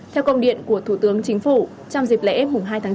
theo công điện của thủ tướng chính phủ trong dịp lễ hai tháng chín